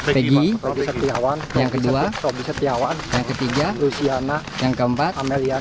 peggy yang kedua yang ketiga yang keempat